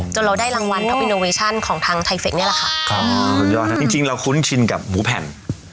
จนเราได้รางวัลของทางเนี้ยแหละค่ะอ๋อยอดนะจริงจริงเราคุ้นชินกับหมูแผ่น